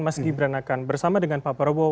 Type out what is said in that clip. mas gibran akan bersama dengan pak prabowo